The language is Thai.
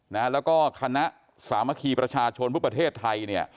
และคณะสามัคคีประชาชนประเทศไทย